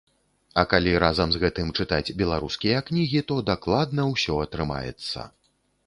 А калі разам з гэтым чытаць беларускія кнігі, то дакладна ўсё атрымаецца.